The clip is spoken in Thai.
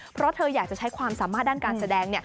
เพราะเธออยากจะใช้ความสามารถด้านการแสดง